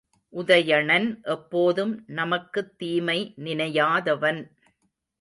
உதயணன் எப்போதும் நமக்குத் தீமை நினையாதவன்.